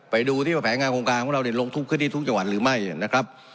ไปดูที่ว่าแผนงานโครงการของเราลงทุกพื้นที่ทุกจังหวัดหรือไม่นะครับ